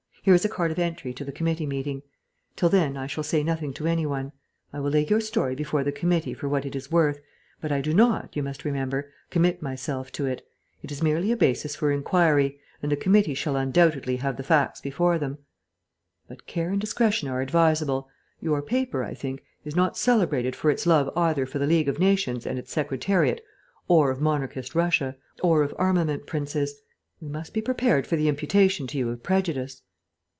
Here is a card of entry to the committee meeting. Till then I shall say nothing to any one. I will lay your story before the committee for what it is worth, but I do not, you must remember, commit myself to it. It is merely a basis for inquiry, and the committee shall undoubtedly have the facts before them. But care and discretion are advisable.... Your paper, I think, is not celebrated for its love either for the League of Nations and its Secretariat, or of monarchist Russia, or of armament princes? We must be prepared for the imputation to you of prejudice."